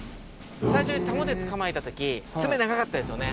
最初にタモで捕まえた時爪長かったですよね。